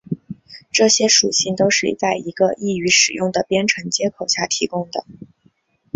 这些属性都是在一个易于使用的编程接口下提供的。